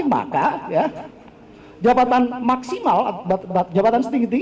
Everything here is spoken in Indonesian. pemohon pertama bernama ryo saputro yang menyebut diri sebagai perwakilan dari aliansi sembilan puluh delapan